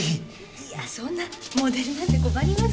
いやそんなモデルなんて困ります。